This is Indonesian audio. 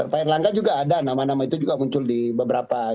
pak erlangga juga ada nama nama itu juga muncul di beberapa